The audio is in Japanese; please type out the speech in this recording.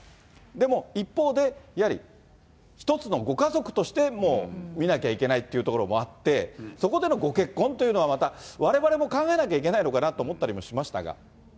でも一方で、やはり一つのご家族として見なきゃいけないというところもあって、そこでのご結婚というのはまた、われわれも考えなきゃいけないのかなと思ったりもしましたが。